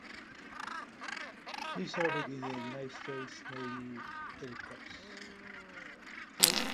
He served in the United States Navy Air Corps.